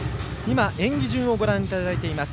演技順をご覧いただいています。